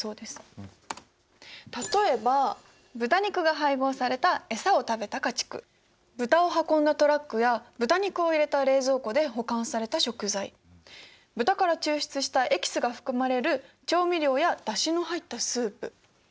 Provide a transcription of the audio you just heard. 例えば豚肉が配合されたエサを食べた家畜豚を運んだトラックや豚肉を入れた冷蔵庫で保管された食材豚から抽出したエキスが含まれる調味料やだしの入ったスープ。